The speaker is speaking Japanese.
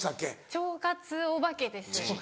腸活おばけです。